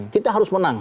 kita harus menang